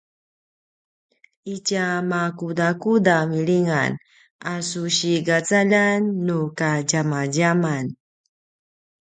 itja makudakuda milingan a su sigacaljan nu kadjamadjaman?